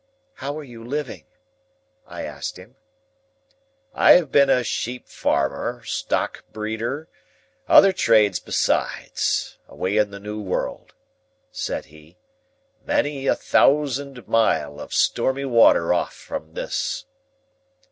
"How are you living?" I asked him. "I've been a sheep farmer, stock breeder, other trades besides, away in the new world," said he; "many a thousand mile of stormy water off from this."